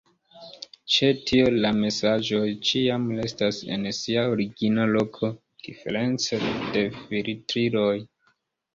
Ĉe tio la mesaĝoj ĉiam restas en sia origina loko, diference de filtriloj.